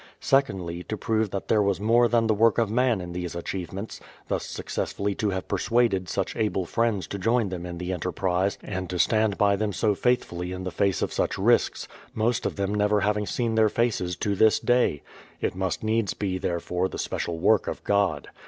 Secondly, to prove that there was more than the work of man in these achievements, — thus successfully to have persuaded such able friends to join them in the en terprise, and to stand by them so faithfully in the face of such risks, most of them never having seen their faces to this day; it must needs be, therefore, the special work of God.